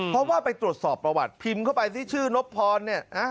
เพราะว่าไปตรวจสอบประวัติพิมพ์เข้าไปที่ชื่อนบพรเนี่ยนะ